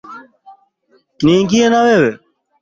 Niingie na wewe.